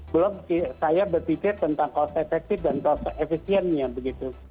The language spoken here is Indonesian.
belum saya berpikir tentang konsep efektif dan konsep efisiennya begitu